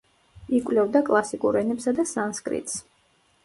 იკვლევდა კლასიკურ ენებსა და სანსკრიტს.